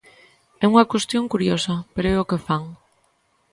É unha cuestión curiosa, pero é o que fan.